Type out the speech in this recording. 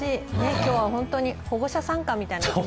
今日は本当に保護者参加みたいな。